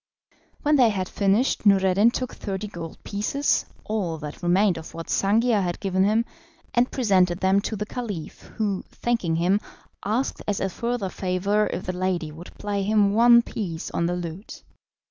When they had finished Noureddin took thirty gold pieces (all that remained of what Sangiar had given him) and presented them to the Caliph, who, thanking him, asked as a further favour if the lady would play him one piece on the lute.